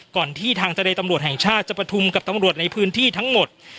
ก่อนที่ทางเจรตำรวจแห่งชาติจะประทุมกับตำรวจในพื้นที่ทั้งหมด